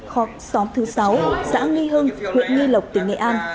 hoặc xóm thứ sáu xã nghi hưng huyện nghi lộc tỉnh nghệ an